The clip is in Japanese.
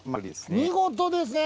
見事ですね！